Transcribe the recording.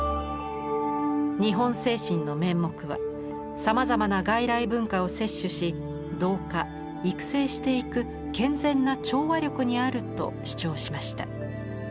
日本精神の面目はさまざまな外来文化を摂取し同化・育成していく健全な調和力にあると主張しました。